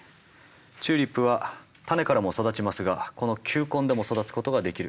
チューリップは種からも育ちますがこの球根でも育つことができる。